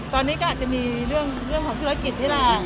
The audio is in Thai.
ตอนนี้มีเรื่องธุรกิจ